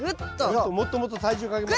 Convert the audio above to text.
もっともっともっと体重かけます。